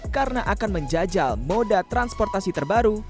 karena akan menjajal moda transportasi terbaru